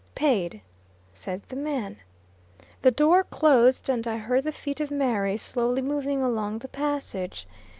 "Paid," said the man. The door closed, and I heard the feet of Mary slowly moving along the passage.